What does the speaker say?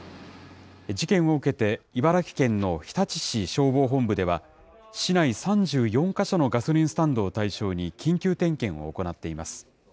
事件を受けて、茨城県の日立市消防本部では、市内３４か所のガソリンスタンドを対象に緊急点検を行っています。